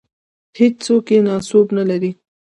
هېڅوک یې ناسوب نه لري.